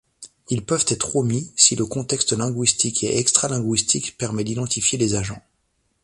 Ils peuvent être omis, si le contexte linguistique et extralinguistique permet d'identifier les agents.